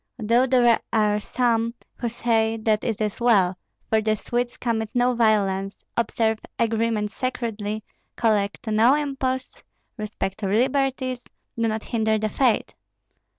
Though there are some who say that it is well; for the Swedes commit no violence, observe agreements sacredly, collect no imposts, respect liberties, do not hinder the faith.